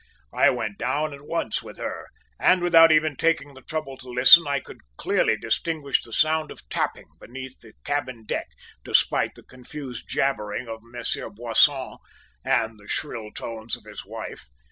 "I went down at once with her, and without even taking the trouble to listen I could clearly distinguish the sound of tapping beneath the cabin deck, despite the confused jabbering of Monsieur Boisson, and the shrill tones of his wife.